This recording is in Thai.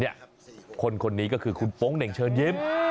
นี่คนนี้ก็คือคุณป้องเหน่งเชิญเย็ม